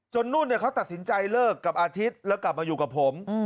นุ่นเขาตัดสินใจเลิกกับอาทิตย์แล้วกลับมาอยู่กับผม